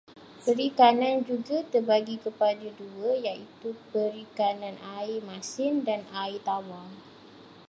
Perikanan juga terbahagi kepada dua, iaitu perikanan air masin dan air tawar.